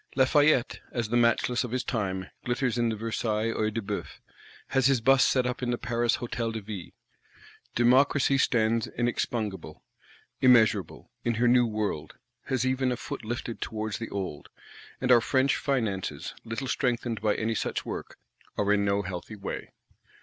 Lafayette, as the matchless of his time, glitters in the Versailles Œil de Beouf; has his Bust set up in the Paris Hôtel de Ville. Democracy stands inexpugnable, immeasurable, in her New World; has even a foot lifted towards the Old;—and our French Finances, little strengthened by such work, are in no healthy way.